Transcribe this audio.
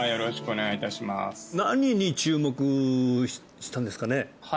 何に注目したんですかね？